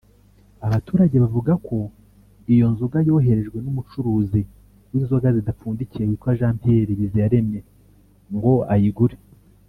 Abaturage bavuga ko iyo nzoga yoherejwe n’umucuruzi w’inzoga zidapfundikiye witwa Jean Pierre Biziyaremye ngo ayigure